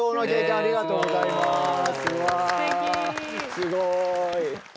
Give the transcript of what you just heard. すごい。